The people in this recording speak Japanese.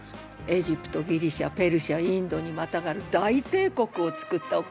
エジプトギリシアペルシャインドにまたがる大帝国をつくったお方。